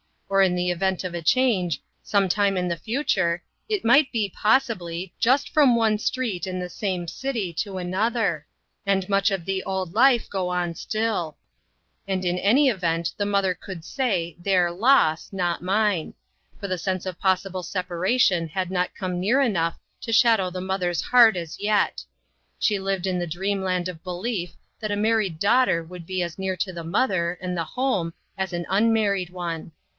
Or in the event of a change, some time in the future, it might be, possibly, just from one street in the same city to another, and much of the old life go on still ; and in any event the mother could say " their loss," not mine ; for the sense of possible separation had not come near enough to shadow the mother's heart as yet; she lived in the dreamland of belief that a married daughter would be as near to the mother and the home as an unmarried one.